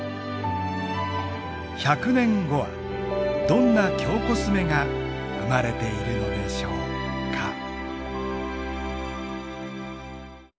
１００年後はどんな京コスメが生まれているのでしょうか。